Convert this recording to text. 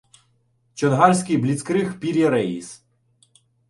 Чонгарський бліцкриг Пірі Реїс.